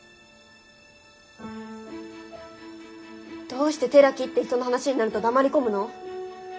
どうして寺木って人の話になると黙り込むの？